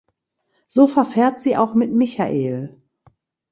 So verfährt sie auch mit Michael.